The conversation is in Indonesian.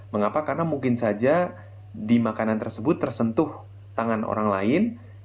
mengapa karena mungkin saja di makanan tersebut tersentuh tangan orang lain